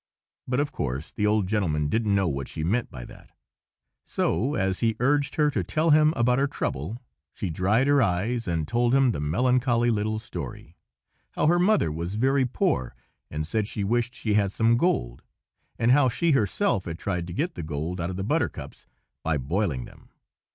but, of course, the old gentleman didn't know what she meant by that, so, as he urged her to tell him about her trouble, she dried her eyes, and told him the melancholy little story: how her mother was very poor, and said she wished she had some gold; and how she herself had tried to get the gold out of the buttercups by boiling them.